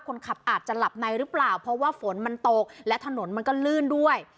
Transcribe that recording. คนขับอาจจะหลับในหรือเปล่าเพราะว่าฝนมันตกและถนนมันก็ลื่นด้วย